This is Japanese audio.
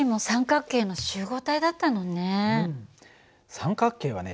三角形はね